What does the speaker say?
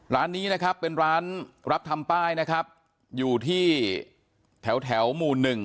ร้านนี้เป็นร้านรับทำป้ายอยู่ที่แถวหมู่๑